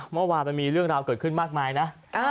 เมื่อวานมันมีเรื่องราวเกิดขึ้นมากมายนะ